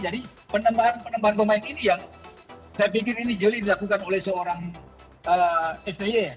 jadi penambahan penambahan pemain ini yang saya pikir ini jeli dilakukan oleh seorang psty